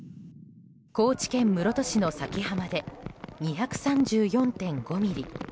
高知県室戸市の佐喜浜で２３４．５ミリ。